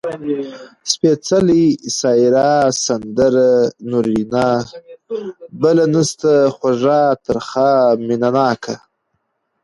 سپېڅلې ، سايره ، سندره، نورينه . بله نسته، خوږَه، ترخه . مينه ناکه